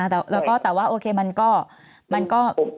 แล้วก็แต่ว่าโอเคมันก็มันก็